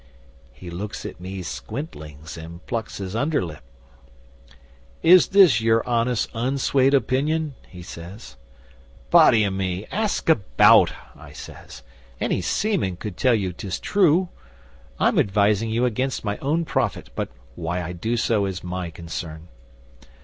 'He looks at me squintlings and plucks his under lip. '"Is this your honest, unswayed opinion?" he says. '"Body o' me! Ask about!" I says. "Any seaman could tell you 'tis true. I'm advising you against my own profit, but why I do so is my own concern."